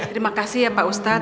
terima kasih ya pak ustadz